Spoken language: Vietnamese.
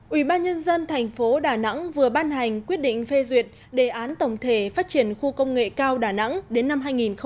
ủy ban nhân dân thành phố đà nẵng vừa ban hành quyết định phê duyệt đề án tổng thể phát triển khu công nghệ cao đà nẵng đến năm hai nghìn ba mươi